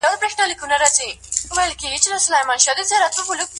د کورنۍ د ايجاد بل هدف د خاوند او ميرمني خپلمنځي حقوق رعايتول دي